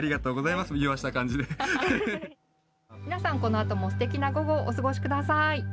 皆さん、このあとも素敵な午後をお過ごしください。